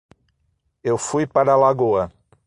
Eu fui para a lagoa.